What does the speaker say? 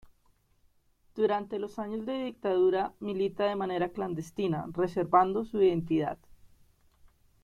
Durante los años de dictadura milita de manera clandestina, reservando su identidad.